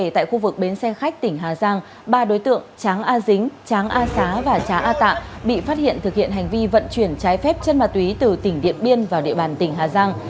tại khu vực bến xe khách tỉnh hà giang ba đối tượng tráng a dính tráng a xá và tráng a tạ bị phát hiện thực hiện hành vi vận chuyển trái phép chân ma túy từ tỉnh điện biên vào địa bàn tỉnh hà giang